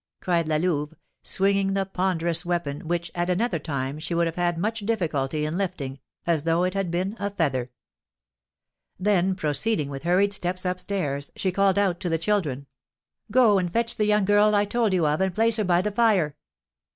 cried La Louve, swinging the ponderous weapon, which, at another time, she would have had much difficulty in lifting, as though it had been a feather. Then, proceeding with hurried steps up stairs, she called out to the children: "Go and fetch the young girl I told you of, and place her by the fire."